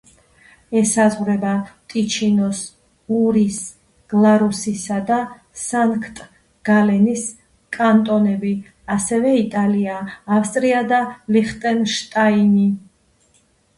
ესაზღვრება ტიჩინოს, ურის, გლარუსისა და სანქტ-გალენის კანტონები, ასევე იტალია, ავსტრია და ლიხტენშტაინი.